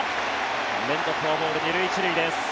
連続フォアボール２塁１塁です。